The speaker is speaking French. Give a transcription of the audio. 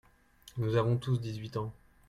Nous avons tous dix-huit ans.